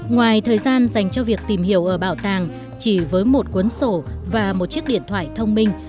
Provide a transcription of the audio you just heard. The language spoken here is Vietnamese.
ngoài thời gian dành cho việc tìm hiểu ở bảo tàng chỉ với một cuốn sổ và một chiếc điện thoại thông minh